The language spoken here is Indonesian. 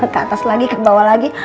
ke atas lagi ke bawah lagi